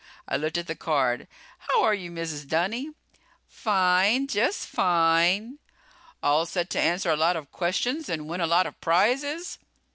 I looked at the card. "How are you, Mrs. Dunny?" "Fine! Just fine." "All set to answer a lot of questions and win a lot of prizes?"